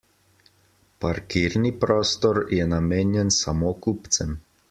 Parkirni prostor je namenjen samo kupcem.